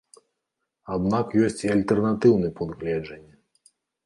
Аднак ёсць і альтэрнатыўны пункт гледжання.